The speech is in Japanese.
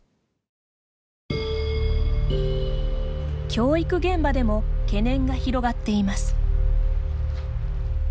教育現場でも懸念が広がっています。